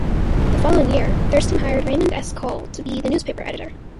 The following year, Thurston hired Raymond S. Coll to be the newspaper editor.